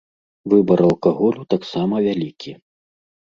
Выбар алкаголю таксама вялікі.